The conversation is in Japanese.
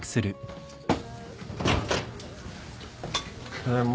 ただいま。